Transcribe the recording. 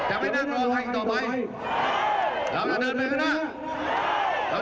กลัวให้พี่น้องอย่าเสียขวัดอย่าเสียขวัดขวัดอยู่กับตัวควรอะไร